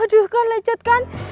aduh aduh aduh